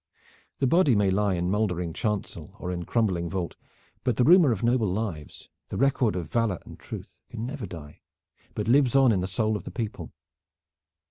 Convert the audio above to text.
The body may lie in moldering chancel, or in crumbling vault, but the rumor of noble lives, the record of valor and truth, can never die, but lives on in the soul of the people.